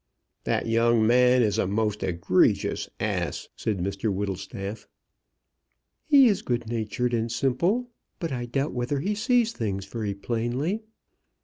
"That young man is a most egregious ass," said Mr Whittlestaff. "He is good natured and simple, but I doubt whether he sees things very plainly."